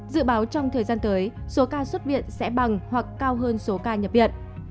dự báo trong thời gian tới số ca xuất viện sẽ bằng hoặc cao hơn số ca nhập viện